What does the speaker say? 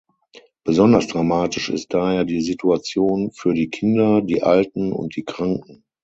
Besonders dramatisch ist daher die Situation für die Kinder, die Alten und die Kranken.